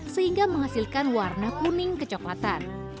sehingga menghasilkan warna kuning kecoklatan